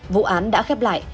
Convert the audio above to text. vụ án đã khép lại